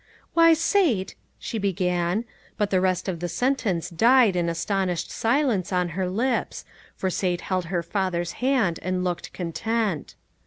" Why, Sate," she began, but the rest of the sentence died in astonished silence on her lips, for Sate held her father's hand and looked content.